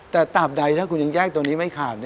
แต่ตามใดถ้าคุณยังแยกตัวนี้ไม่ขาด